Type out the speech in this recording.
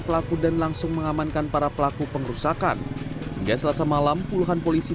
pelaku dan langsung mengamankan para pelaku pengerusakan hingga selasa malam puluhan polisi